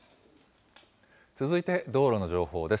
続いて道路の情報です。